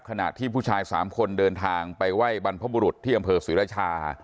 ขณะที่ผู้ชาย๓คนเดินทางไปไหว้บรรพบุรุษที่อำเภอศรีราชา